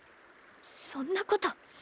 そんなこと。